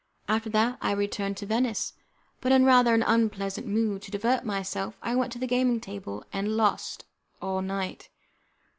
After that I returned to Venice, but in rather an unpleasant mood; to divert myself I went to the gaming table, and lost all night.